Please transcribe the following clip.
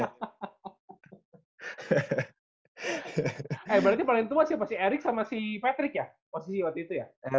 berarti paling tua siapa si eric sama si patrick ya posisi waktu itu ya